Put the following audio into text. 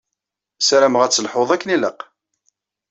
Sarameɣ ad teḥluḍ akken ilaq.